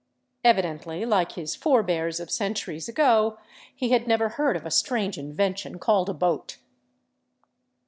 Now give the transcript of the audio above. Evidently, like his forebears of centuries ago, he had never heard of a strange invention called a boat.